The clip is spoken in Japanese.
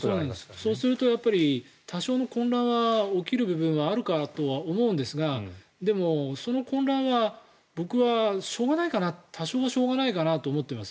そうするとやっぱり多少の混乱は起きる部分はあるかとは思うんですがでも、その混乱は僕はしょうがないかな多少はしょうがないかなと思っています。